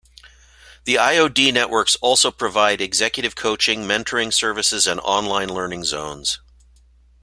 The IoD networks also provide executive coaching, mentoring services and online learning zones.